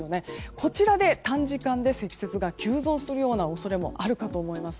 こちらで短時間で積雪が急増する恐れがあると思います。